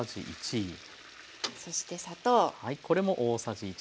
そして砂糖。